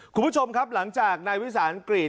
คุณผู้ชมครับหลังจากนายวิสานกรีด